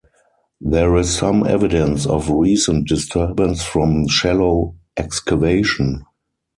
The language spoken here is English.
There is some evidence of recent disturbance from shallow excavation.